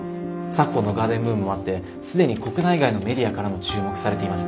昨今のガーデンブームもあって既に国内外のメディアからも注目されています。